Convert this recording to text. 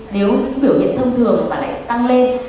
nếu những biểu hiện thông thường mà lại tăng lên